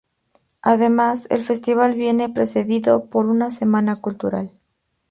Además, el festival viene precedido por una semana cultural.